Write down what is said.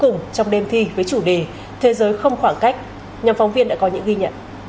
nhàm phóng viên đã có những ghi nhận